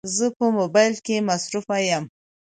زه په موبایل کې مصروفه یم